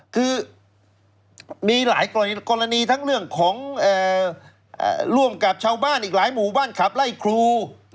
คือมีหลายกรณีทั้งเรื่องของร่วมกับชาวบ้านอีกหลายหมู่บ้านขับไล่ครู